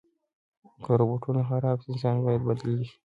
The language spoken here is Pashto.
که روبوټونه خراب شي، انسان باید بدیل وي.